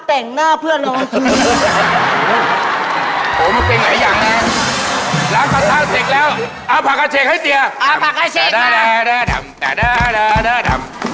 แต่งหน้าเพื่อนร่างชีวิต